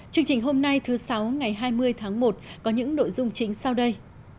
chương trình hôm nay thứ sáu ngày hai mươi tháng một có những nội dung chính sau đây